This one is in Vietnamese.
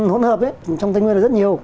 hôn hợp trong tây nguyên là rất nhiều